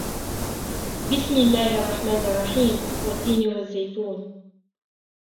بسم الله الرحمن الرحيم والتين والزيتون